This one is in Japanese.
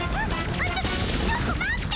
あっちょっと待って。